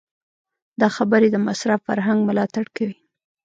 دا خبرې د مصرف فرهنګ ملاتړ کوي.